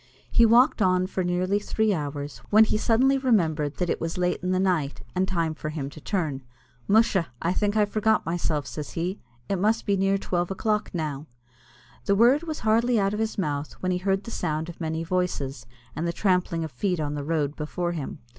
He walked on for nearly three hours, when he suddenly remembered that it was late in the night, and time for him to turn. "Musha! I think I forgot myself," says he; "it must be near twelve o'clock now." The word was hardly out of his mouth, when he heard the sound of many voices, and the trampling of feet on the road before him.